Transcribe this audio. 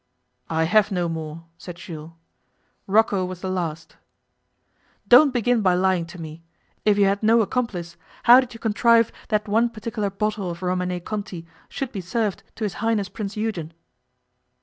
'I have no more,' said Jules. 'Rocco was the last.' 'Don't begin by lying to me. If you had no accomplice, how did you contrive that one particular bottle of Romanée Conti should be served to his Highness Prince Eugen?